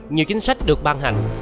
nhiều chính sách được ban hành